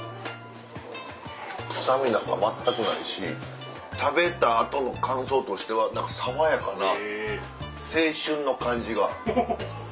臭みなんか全くないし食べた後の感想としては何か爽やかな青春の感じが。